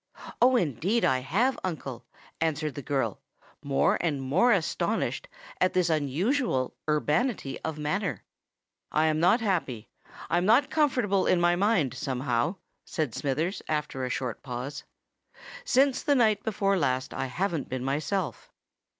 "Oh! indeed I have, uncle," answered the girl, more and more astonished at this unusual urbanity of manner. "I am not happy—I'm not comfortable in my mind, somehow," said Smithers, after a short pause. "Since the night before last I haven't been myself."